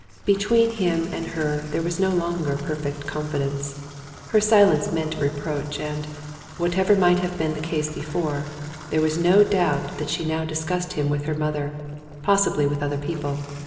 Between him and her there was no longer perfect confidence. Her silence meant reproach, and whatever might have been the case before there was no doubt that she now discussed him with her mother, possibly with other people.